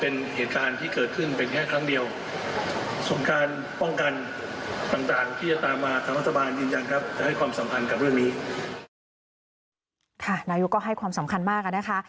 นายกก็ให้ความสำคัญมากอะนะคะ